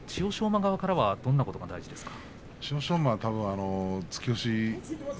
馬側からはどんなことが大事ですか。